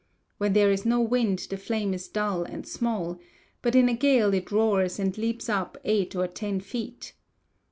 When there is no wind the flame is dull and small, but in a gale it roars and leaps up eight or ten feet.